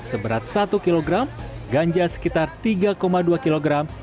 seberat satu kilogram ganja sekitar tiga dua kilogram